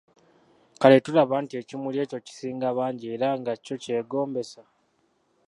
Kale tolaba nti ekimuli ekyo kisinga bangi era nga kyo kyegombesa ?